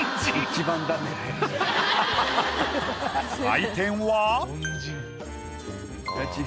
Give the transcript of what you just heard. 採点は。